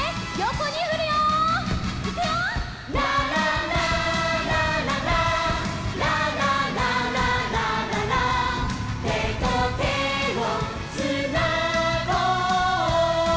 「ラララララララララララララ」「手と手をつなごう」